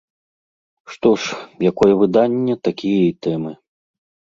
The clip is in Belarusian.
Што ж, якое выданне, такія і тэмы.